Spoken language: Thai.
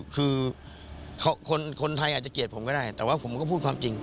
คือคนไทยอาจจะเกลียดผมก็ได้แต่ว่าผมก็พูดความจริง